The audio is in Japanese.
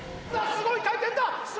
すごい回転だ！